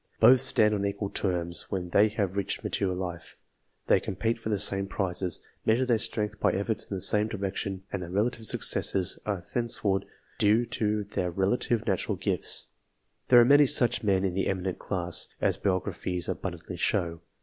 Both stand on equal terms, when they have reached mature life. They compete for the same prizes, measure their strength by efforts in the same direction, and their relative successes TWO CLASSIFICATIONS 35 are thenceforward dtie to their relative natural gifts. There a re many such men in the " eminent " class, as biographies abundantly show.